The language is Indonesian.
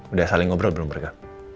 udah saling ngobrol belum bergerak